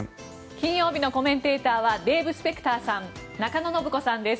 金曜日のコメンテーターはデーブ・スペクターさん中野信子さんです。